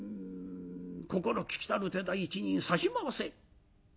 「心利きたる手代一人差し回せ」。